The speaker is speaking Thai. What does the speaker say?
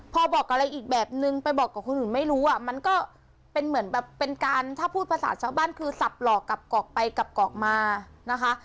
พอบอกอะไรอีกแบบนึงไปบอกกับคนอื่นไม่รู้อ่ะมันก็เป็นเหมือนแบบเป็นการถ้าพูดภาษาชาวบ้านคือสับหลอกกลับกรอกไปกลับกรอกมานะคะ